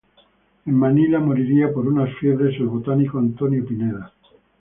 En Manila moriría por unas fiebres el botánico Antonio Pineda.